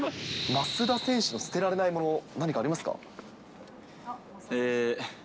増田選手の捨てられない物、何かありますか？